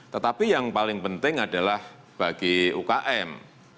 tetapi yang paling penting adalah bagi ukm